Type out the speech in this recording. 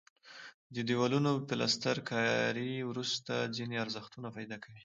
د دیوالونو پلستر کاري وروسته ځینې ارزښتونه پیدا کوي.